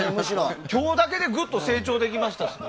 今日だけでぐっと成長できましたし。